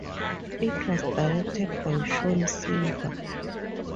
It was directed by Shaun Silva.